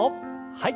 はい。